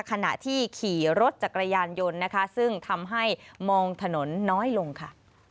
ขณะที่ขี่รถจักรยานยนต์นะคะซึ่งทำให้มองถนนน้อยลงค่ะ